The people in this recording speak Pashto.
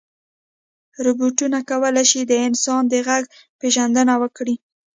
روبوټونه کولی شي د انسان د غږ پېژندنه وکړي.